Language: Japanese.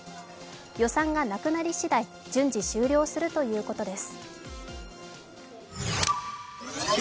予算がなくなりしだい、順次終了するということです。